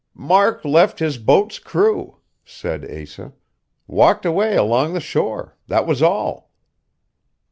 "Mark left his boat's crew," said Asa. "Walked away along the shore. That was all."